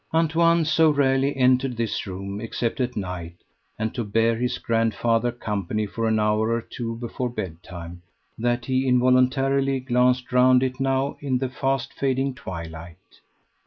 Antoine so rarely entered this room except at night, and to bear his grandfather company for an hour or two before bed time, that he involuntarily glanced round it now in the fast fading twilight.